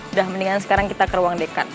udah mendingan sekarang kita ke ruang dekat